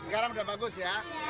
sekarang udah bagus ya